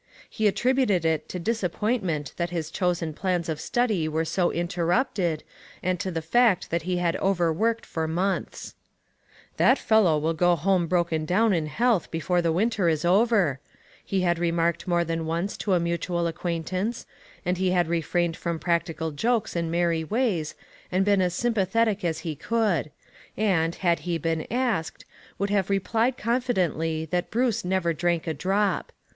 He attributed it to disappointment that his chosen plans of study were so interrupted, and to the fact that he had overworked for months. THINGS THAT FITTED. 26 1 "That fellow will go home broken down in health before the winter is over," he had remarked more than once to a mutual ac quaintance, and he had refrained from prac tical jokes and merry ways, and been as sympathetic as he could ; and, had he been asked, would have replied confidently that Bruce never drank a drop.